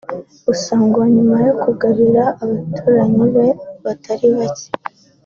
Gusa ngo nyuma yo kugabira abaturanyi be batari bake